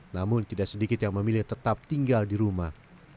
namun tidak sedikit yang memilih tetap tinggal di rumah